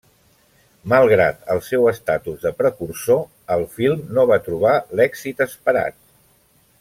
Malgrat el seu estatus de precursor, el film no va trobar l'èxit esperat.